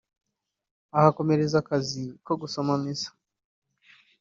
ahakomereza akazi ko gusoma misa